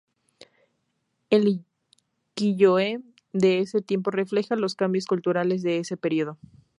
El "ukiyo-e" de ese tiempo reflejaba los cambios culturales de ese periodo.